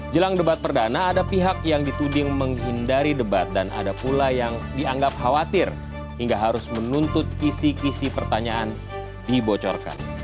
jelang debat perdana ada pihak yang dituding menghindari debat dan ada pula yang dianggap khawatir hingga harus menuntut isi kisi pertanyaan dibocorkan